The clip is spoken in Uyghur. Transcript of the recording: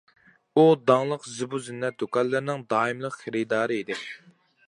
ئۇ داڭلىق زىبۇ-زىننەت دۇكانلىرىنىڭ دائىملىق خېرىدارى ئىدى.